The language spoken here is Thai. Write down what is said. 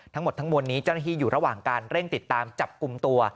ทั้งหมดทั้งมวลนี้เจ้าหน้าที่อยู่ระหว่างการเร่งติดตามจับกลุ่มตัว